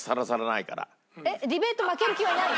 えっディベート負ける気はない？